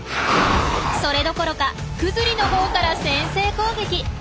それどころかクズリのほうから先制攻撃！